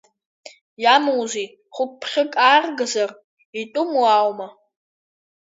Иамоузеи, хәык-ԥхьык ааргазар, итәымуааума?